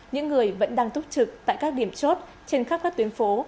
những người vẫn đang túc trực tại các điểm chốt trên khắp các tuyến phố